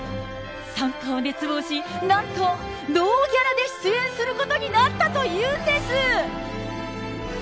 参加を熱望し、なんとノーギャラで出演することになったというんです。